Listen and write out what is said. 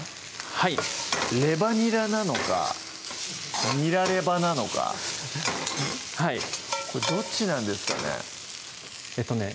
はいレバにらなのかにらレバなのかはいこれどっちなんですかねえっとね